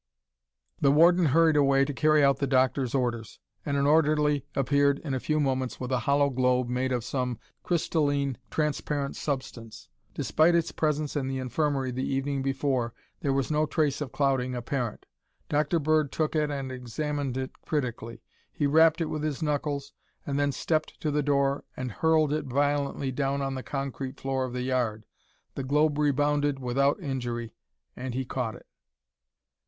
The warden hurried away to carry out the doctor's orders, and an orderly appeared in a few moments with a hollow globe made of some crystalline transparent substance. Despite its presence in the infirmary the evening before, there was no trace of clouding apparent. Dr. Bird took it and examined it critically. He rapped it with his knuckles and then stepped to the door and hurled it violently down on the concrete floor of the yard. The globe rebounded without injury and he caught it.